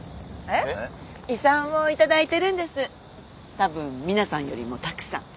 たぶん皆さんよりもたくさん。